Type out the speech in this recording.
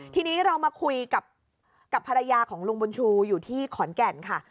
ทีนี้เรามาคุยกับภรรยาของลุงบุญชูอยู่ที่ขอนแก่นค่ะ